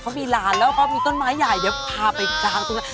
เขามีหลานแล้วเขามีต้นไม้ใหญ่เดี๋ยวพาไปกางตรงนั้น